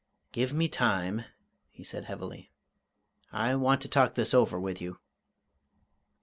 "Give me time," he said heavily; "I want to talk this over with you."